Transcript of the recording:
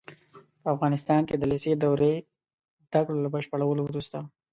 په افغانستان کې د لېسې دورې زده کړو له بشپړولو وروسته